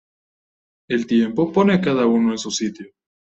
El tiempo pone a cada uno en su sitio